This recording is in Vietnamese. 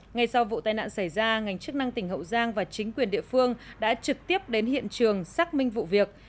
ngay sau vụ tai nạn xảy ra ngành chức năng tỉnh hậu giang và chính quyền địa phương đã trực tiếp đến hiện trường xác minh vụ việc